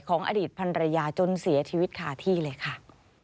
อดีตพันรยาจนเสียชีวิตคาที่เลยค่ะ